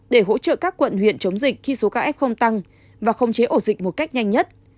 để hỗ trợ các quận huyện chống dịch khi số ca f tăng và khống chế ổ dịch một cách nhanh nhất